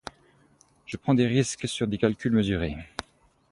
Je prends des risques sur des calculs mesurés.